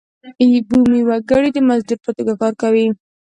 بومي وګړي د مزدور په توګه کار وکړي.